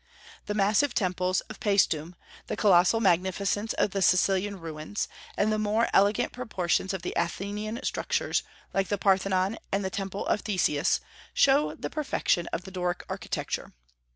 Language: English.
The massive temples of Paestum, the colossal magnificence of the Sicilian ruins, and the more elegant proportions of the Athenian structures, like the Parthenon and Temple of Theseus, show the perfection of the Doric architecture.